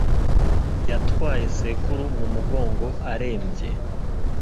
Yatwaye sekuru mu mugongo arembye .